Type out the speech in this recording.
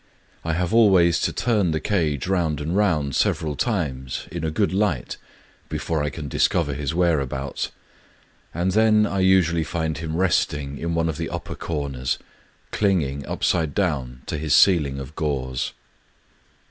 I have always to turn the cage round and round, several times, in a good light, before I can discover his whereabouts ; and then I usually find him resting in one of the upper corners, — clinging, upside down, to his ceil ing of gauze.